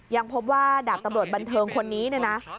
ยังพบว่าดาบตำรวจบันเทิงคนนี้เนี่ยนะ